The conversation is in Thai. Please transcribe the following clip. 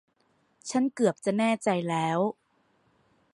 ฉันเกือบจะแน่ใจแล้ว